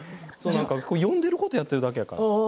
読んでいることをやっているだけだから。